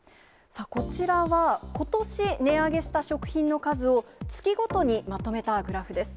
こちらは、ことし値上げした食品の数を、月ごとにまとめたグラフです。